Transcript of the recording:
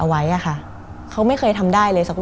มันกลายเป็นรูปของคนที่กำลังขโมยคิ้วแล้วก็ร้องไห้อยู่